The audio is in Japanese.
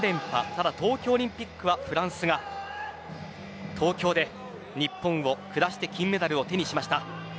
ただ東京オリンピックはフランスが東京で日本を下して金メダルを手にしました。